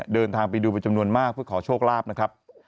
เดินทางไปดูเป็นจำนวนมากเพื่อขอโชคลาภนะครับ